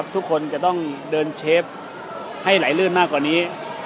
ทุกคนจะต้องเดินเชฟให้ไหลลื่นมากกว่านี้